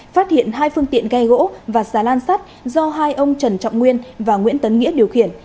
phát hiện hai phương tiện ghe gỗ và xà lan sắt do hai ông trần trọng nguyên và nguyễn tấn nghĩa điều khiển